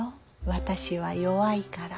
私は弱いから」。